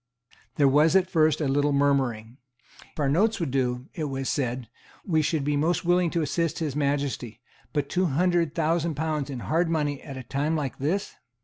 There was at first a little murmuring. "If our notes would do," it was said, "we should be most willing to assist His Majesty; but two hundred thousand pounds in hard money at a time like this."